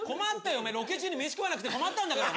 ロケ中に飯食わなくて困ったんだから！